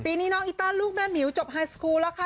ปีนี้น้องอีต้าลูกแม่หมิวจบไฮสกูลแล้วค่ะ